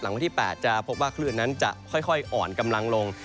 วันที่๘จะพบว่าคลื่นนั้นจะค่อยอ่อนกำลังลง